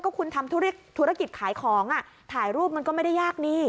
คุณทำธุรกิจขายของถ่ายรูปมันก็ไม่ได้ยากนี่